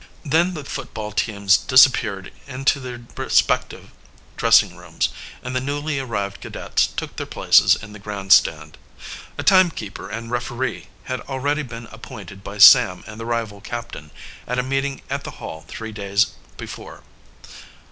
Then the football teams disappeared into their respective dressing rooms, and the newly arrived cadets took their places in the grandstand. A timekeeper and referee had already been appointed by Sam and the rival captain, at a meeting at the Hall three days before.